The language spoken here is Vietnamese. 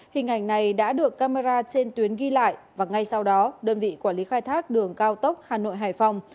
hình ảnh này đã được camera trên tuyến ghi lại và ngay sau đó đơn vị quản lý khai thác đường cao tốc hà nội hải phòng